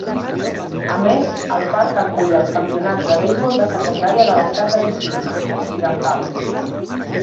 A més, el parc acull els campionats de beisbol de secundària de l'estat de Virgínia. Occidental